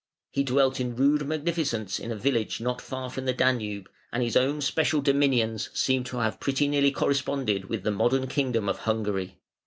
He dwelt in rude magnificence in a village not far from the Danube, and his own special dominions seem to have pretty nearly corresponded with the modern kingdom of Hungary.